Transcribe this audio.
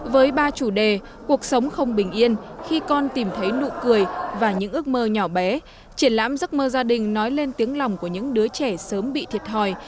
với ba chủ đề cuộc sống không bình yên khi con tìm thấy nụ cười và những ước mơ nhỏ bé triển lãm giấc mơ gia đình nói lên tiếng lòng của những đứa trẻ sớm bị thiệt hòi